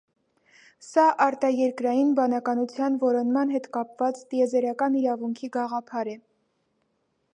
Սա արտաերկրային բանականության որոնման հետ կապված տիեզերական իրավունքի գաղափար է։